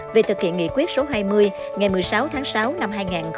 về thực hiện nghị quyết số hai mươi ngày một mươi sáu tháng sáu năm hai nghìn hai mươi